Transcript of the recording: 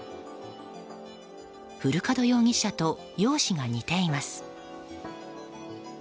古門容疑者と容姿が似ています。